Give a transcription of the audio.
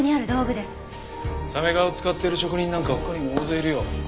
鮫皮を使ってる職人なんか他にも大勢いるよ。